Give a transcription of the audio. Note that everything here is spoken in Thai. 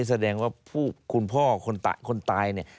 แสดงว่าคุณพ่อคนตายเนี่ย